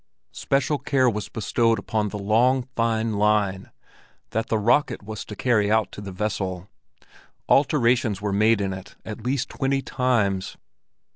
Special care was bestowed upon the long, fine line that the rocket was to carry out to the vessel; alterations were made in it at least twenty times.